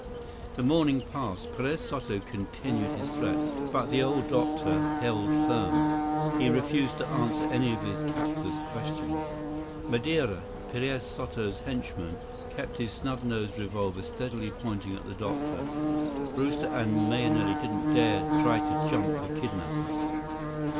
154 The morning passed. Perez Soto continued his threats. But the old doctor held firm. He refused to answer any of his captor's questions. Madeira, Perez Soto's henchman, kept his snub nosed revolver steadily pointed at the doctor. Brewster and Mahenili didn't dare try to jump the kidnapers.